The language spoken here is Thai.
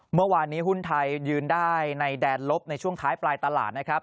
เมื่อวานนี้หุ้นไทยยืนได้ในแดนลบในช่วงท้ายปลายตลาดนะครับ